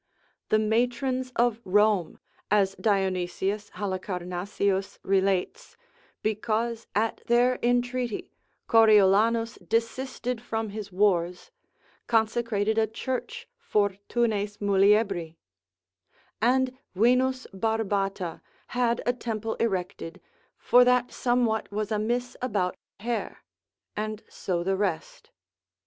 The matrons of Rome, as Dionysius Halicarnassaeus relates, because at their entreaty Coriolanus desisted from his wars, consecrated a church Fortunes muliebri; and Venus Barbata had a temple erected, for that somewhat was amiss about hair, and so the rest.